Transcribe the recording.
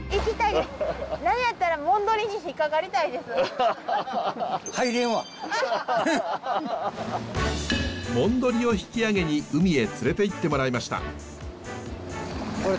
もんどりを引き揚げに海へ連れていってもらいました。